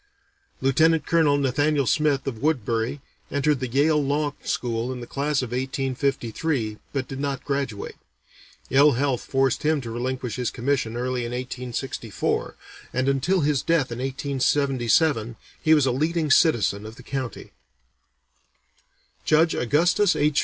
Lieutenant Colonel Nathaniel Smith of Woodbury entered the Yale Law School in the class of 1853, but did not graduate. Ill health forced him to relinquish his commission early in 1864, and until his death in 1877 he was a leading citizen of the county. Judge Augustus H.